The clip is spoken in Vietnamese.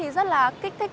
rất là kích thích